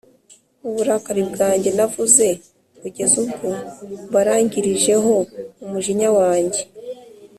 mu burakari bwanjye navuze, kugeza ubwo mbarangirijeho umujinya wanjye